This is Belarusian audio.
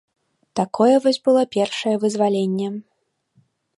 Такое вось было першае вызваленне.